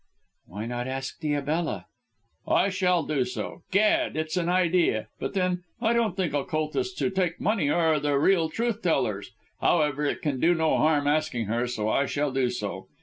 "Why not ask Diabella?" "I shall do so. Gad! it's an idea. But, then, I don't think occultists who take money are the real truth tellers. However, it can do no harm asking her, so I shall do so.